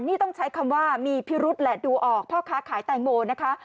นี่ต้องใช้คำว่ามีพิรุษแหละดูออกพ่อค้าขายแตงโมนะคะ